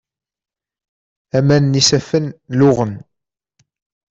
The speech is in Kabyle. Aman n yisaffen luɣen.